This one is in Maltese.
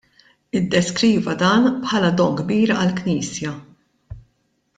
Iddeskriva dan bħala don kbir għall-Knisja.